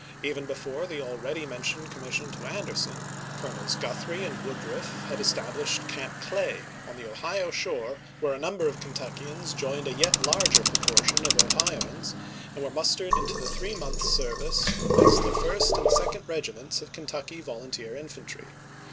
Even before the already mentioned commission to Anderson, Colonels Guth rie and Woodruff had established "Camp Clay," on the Ohio shore above Cincinnati, where a number of Kentuckians joined a yet larger proportion of Ohioans, and were mustered into the three months' T.^^A^y^of ' service as the First and Second Regiments Ken il^riand!" tucky Volunteer Infantry.